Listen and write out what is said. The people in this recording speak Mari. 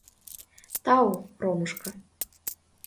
— Тау, Ромушка.